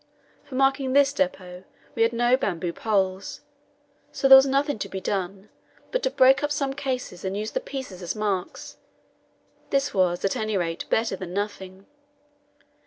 For marking this depot we had no bamboo poles, so there was nothing to be done but to break up some cases and use the pieces as marks; this was, at any rate, better than nothing.